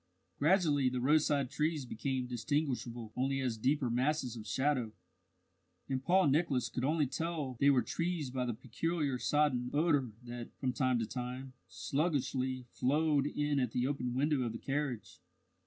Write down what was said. Gradually the roadside trees became distinguishable only as deeper masses of shadow, and Paul Nicholas could only tell they were trees by the peculiar sodden odour that, from time to time, sluggishly flowed in at the open window of the carriage.